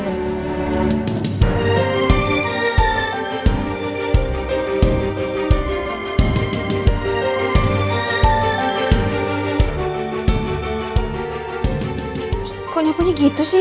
kok nyapunya gitu sih